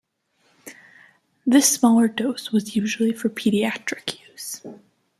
This smaller dose was usually for pediatric use.